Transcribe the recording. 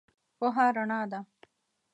پوهه رنا ده.